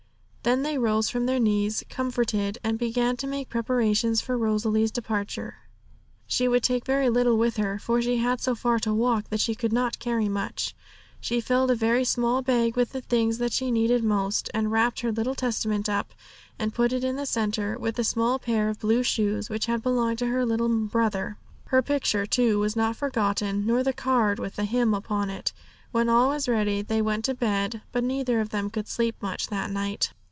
Then they rose from their knees comforted, and began to make preparations for Rosalie's departure. She would take very little with her, for she had so far to walk that she could not carry much. She filled a very small bag with the things that she needed most; and wrapped her little Testament up, and put it in the centre, with the small pair of blue shoes which had belonged to her little brother. Her picture, too, was not forgotten, nor the card with the hymn upon it. When all was ready, they went to bed, but neither of them could sleep much that night.